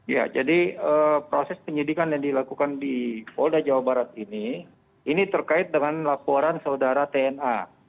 ya jadi proses penyidikan yang dilakukan di polda jawa barat ini ini terkait dengan laporan saudara tna